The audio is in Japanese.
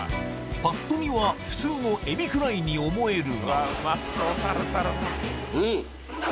パッと見は普通のエビフライに思えるがうん！